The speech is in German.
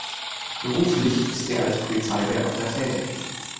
Beruflich ist er als Polizeibeamter tätig.